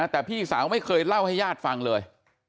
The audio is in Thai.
แต่พี่สาวไม่เคยเล่าให้ญาติฟังเลย